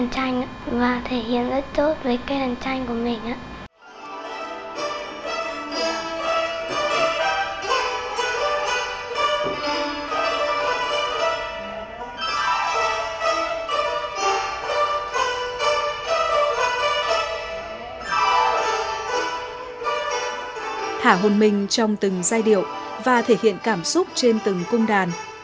thả hồn mình trong từng giai điệu và thể hiện cảm xúc trên từng cung đàn